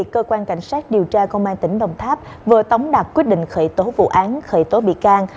cơ quan cảnh sát điều tra công an tỉnh đồng tháp vừa tống đạt quyết định khởi tố vụ án khởi tố bị can